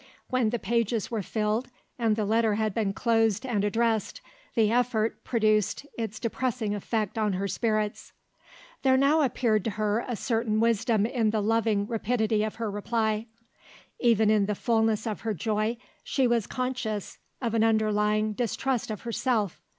When the pages were filled, and the letter had been closed and addressed, the effort produced its depressing effect on her spirits. There now appeared to her a certain wisdom in the loving rapidity of her reply. Even in the fullness of her joy, she was conscious of an underlying distrust of herself.